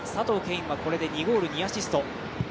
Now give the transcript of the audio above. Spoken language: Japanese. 允はこれで２ゴール、２アシスト。